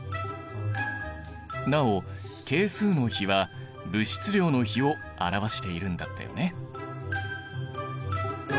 なお係数の比は物質量の比を表しているんだったよね。